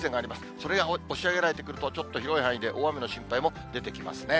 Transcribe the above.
それが押し上げられてくると、ちょっと広い範囲で大雨の心配も出てきますね。